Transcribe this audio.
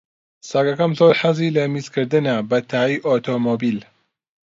سەگەکەم زۆر حەزی لە میزکردنە بە تایەی ئۆتۆمۆبیل.